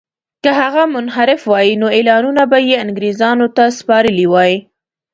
که هغه منحرف وای نو اعلانونه به یې انګرېزانو ته سپارلي وای.